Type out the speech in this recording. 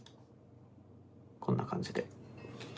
こんな感じで。